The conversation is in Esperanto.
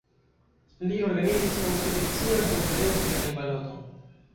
Li organizis konstitucian konferencoj kaj baloton.